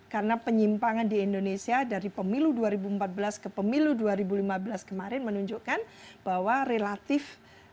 karena penyimpangan di indonesia dari pemilu dua ribu empat belas ke pemilu dua ribu lima belas kemarin menunjukkan bahwa relatif